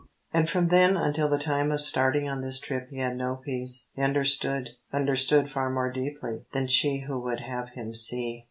And from then until the time of starting on this trip he had had no peace. He understood; understood far more deeply than she who would have him see.